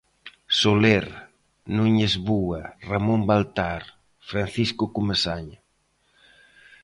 Soler, Núñez Bua, Ramón Baltar, Francisco Comesaña.